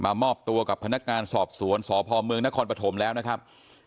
มามอบตัวกับพนักงานสอบสวนสอบหอมมื้อนครปฐมนะครับ